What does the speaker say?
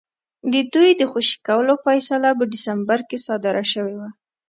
د دوی د خوشي کولو فیصله په ډسمبر کې صادره شوې وه.